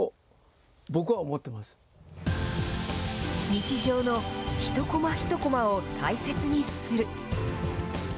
日常の一コマ一コマを大切にする。